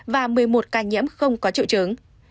và một mươi một ca nhiễm không có triệu chứng